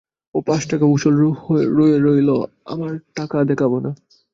ও পাঁচ টাকাও উশুল রয়ে রৈল, আমার টাকা দেখবো না!